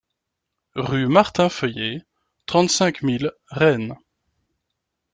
Rue Martin Feuillée, trente-cinq mille Rennes